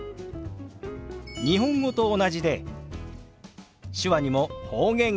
日本語と同じで手話にも方言があるんですよ。